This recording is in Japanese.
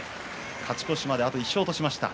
勝ち越しまであと１勝としました。